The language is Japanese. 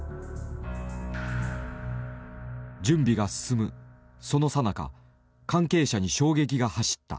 準備が進むそのさなか関係者に衝撃が走った。